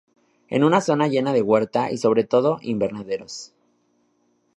Es una zona llena de huerta y sobre todo invernaderos.